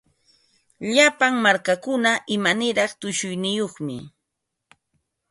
Llapa markakuna imaniraq tushuyniyuqmi.